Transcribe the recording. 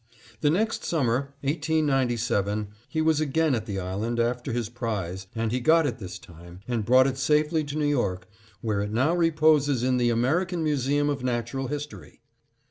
The next summer, 1897, he was again at the island after his prize, and he got it this time and brought it safely to New York, where it now reposes in the "American Museum of Natural History."